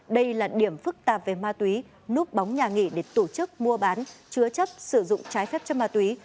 đây là điểm phức tạp về ma túy núp bóng nhà nghỉ để tổ chức mua bán chứa chấp sử dụng trái phép chất ma túy